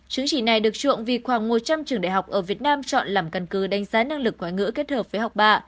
chứng chỉ này được chuộng vì khoảng một trăm linh trường đại học ở việt nam chọn làm căn cứ đánh giá năng lực ngoại ngữ kết hợp với học bạ